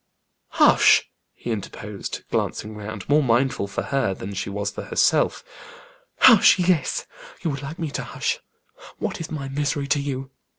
"Hush!" he interposed, glancing round, more mindful for her than she was for herself. "Hush, yes! You would like me to hush; what is my misery to you?